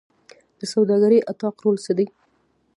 د سوداګرۍ اتاق رول څه دی؟